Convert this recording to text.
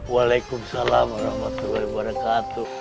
waalaikumsalam warahmatullahi wabarakatuh